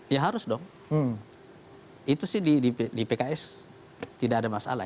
ya harus dong itu sih di pks tidak ada masalah